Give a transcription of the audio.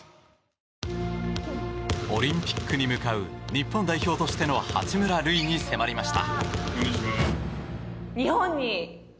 オリンピックに向かう日本代表としての八村塁に迫りました。